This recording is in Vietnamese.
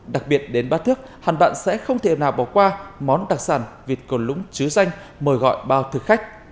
đặc biệt đến bát thước hẳn bạn sẽ không thể nào bỏ qua món đặc sản vịt cồn lũng chứa danh mời gọi bao thực khách